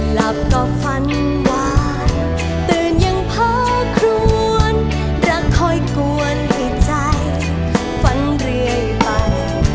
หลับก็ฝันหวานตื่นยังพอควรจะคอยกวนให้ใจฝันเรื่อยไป